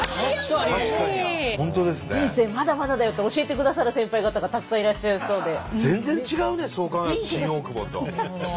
人生まだまだだよって教えてくださる先輩方がたくさんいらっしゃりそうで。